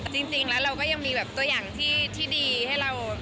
จริงแล้วเราก็ยังมีแบบตัวอย่างที่ดีให้เรา